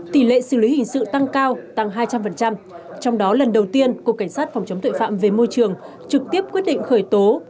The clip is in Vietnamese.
tỷ lệ xử lý hình sự tăng cao tăng hai trăm linh trong đó lần đầu tiên cục cảnh sát phòng chống tội phạm về môi trường trực tiếp quyết định khởi tố